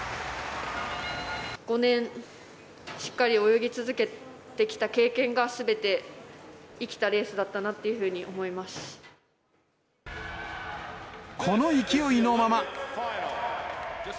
５年、しっかり泳ぎ続けてきた経験が、すべて生きたレースだったなっていうふうに思います。